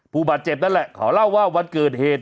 ผู้บาดเจ็บนั่นแหละเขาเล่าว่าวันเกิดเหตุ